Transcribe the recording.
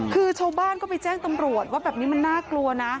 คือชาวบ้านก็ไปแจ้งตำรวจว่าแบบนี้มันน่ากลัวนะ